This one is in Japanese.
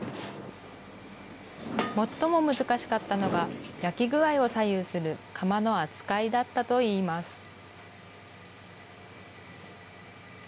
最も難しかったのが、焼き具合を左右する窯の扱いだったといいます。